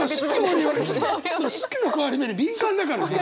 そう四季の変わり目に敏感だからさ！